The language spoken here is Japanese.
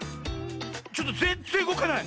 ちょっとぜんぜんうごかない。